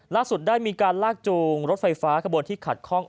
ล่าสุดได้มีการลากจูงรถไฟฟ้าขบวนที่ขัดข้อง